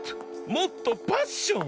もっとパッション！